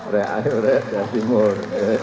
rek ayu rek dari timur